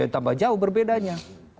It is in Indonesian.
tambah jauh berbedanya